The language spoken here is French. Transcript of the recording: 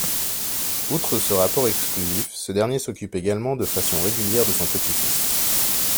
Outre ce rapport exclusif, ce dernier s'occupe également de façon régulière de son petit-fils.